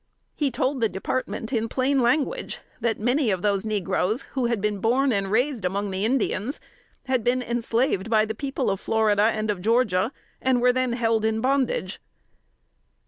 He told the Department in plain language, that many of those negroes who had been born and raised among the Indians had been enslaved by the people of Florida and of Georgia, and were then held in bondage.